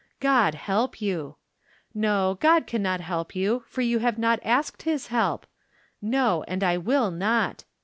God help you ! No, God can not help you, for you have not asked his help. No, and I will not